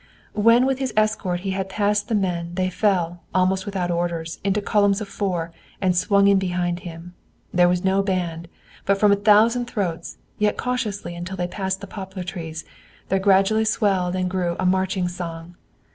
When with his escort he had passed the men they fell, almost without orders, into columns of four, and swung in behind him. There was no band, but from a thousand throats, yet cautiously until they passed the poplar trees, there gradually swelled and grew a marching song.